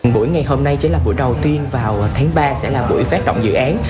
buổi ngày hôm nay sẽ là buổi đầu tiên vào tháng ba sẽ là buổi phát động dự án